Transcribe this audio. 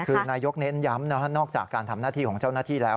คือนายกเน้นย้ำนอกจากการทำหน้าที่ของเจ้าหน้าที่แล้ว